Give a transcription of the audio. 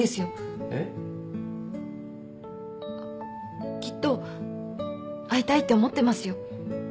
えっ？あっきっと会いたいって思ってますよ。